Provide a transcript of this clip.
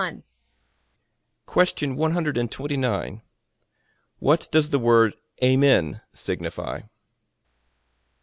A.